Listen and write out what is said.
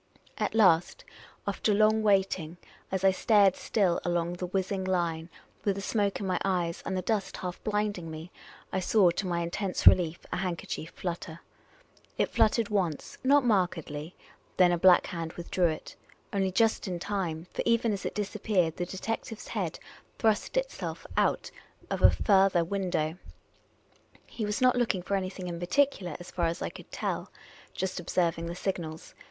At last, after long wait ing, as I stared still along the whizzing line, with the smoke in my eyes, and the dust half blinding me, I saw, to my intense relief, a handker chief flutter. It fluttered once, not markedly, then a black hand withdrew it. Only just in time, for even as it disap peared, the detective's head thrust itself out of a farther I BIXKONED A PORTKR. The Oriental Attendant 3^7 window. He was not looking for anything in particular, as far as I could tell — ^just observing the signals.